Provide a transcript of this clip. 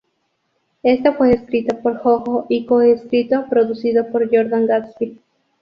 Este fue escrito por Jojo y co-escrito, producido por Jordan Gatsby.